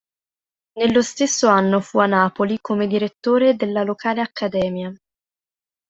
Nello stesso anno fu a Napoli come direttore della locale Accademia.